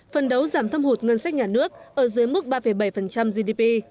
phân đấu giảm thâm hụt ngân sách nhà nước ở dưới mức ba bảy gdp